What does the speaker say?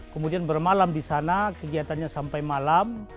kemudian bermalam di sana kegiatannya sampai malam